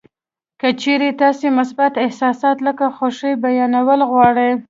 که چېرې تاسې مثبت احساسات لکه خوښي بیانول غواړئ